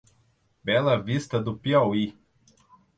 Bela Vista do Piauí